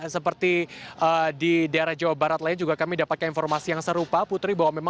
seperti di daerah jawa barat lain juga kami dapatkan informasi yang serupa putri